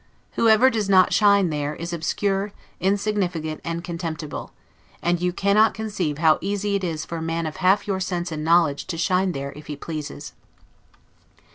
Whoever does not shine there, is obscure, insignificant and contemptible; and you cannot conceive how easy it is for a man of half your sense and knowledge to shine there if he pleases.